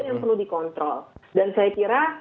yang perlu dikontrol dan saya kira